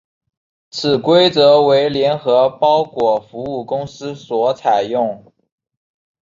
此规则为联合包裹服务公司所采用。